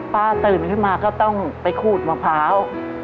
ป้าตื่นขึ้นมาก็ต้องไปขูดมะพร้าว